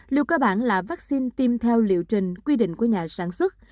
liều cơ bản là vaccine tiêm theo liệu trình quy định của nhà sản xuất